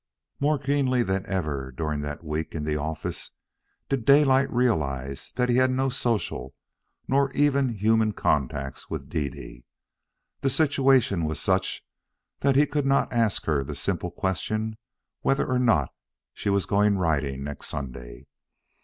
More keenly than ever, during that week in the office did Daylight realize that he had no social, nor even human contacts with Dede. The situation was such that he could not ask her the simple question whether or not she was going riding next Sunday.